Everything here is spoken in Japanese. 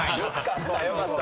よかった